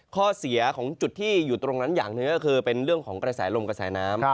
ข้อเสียของจุดที่อยู่ตรงนั้นอย่างหนึ่งก็คือเป็นเรื่องของกระแสลมกระแสน้ำ